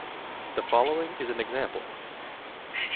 The following is an example.